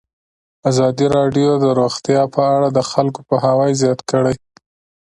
ازادي راډیو د روغتیا په اړه د خلکو پوهاوی زیات کړی.